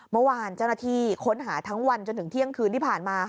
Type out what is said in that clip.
เมื่อวานเจ้าหน้าที่ค้นหาทั้งวันจนถึงเที่ยงคืนที่ผ่านมา